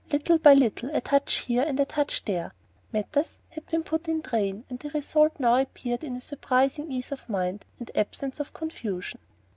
Little by little, a touch here and a touch there, matters had been put in train, and the result now appeared in a surprising ease of mind and absence of confusion.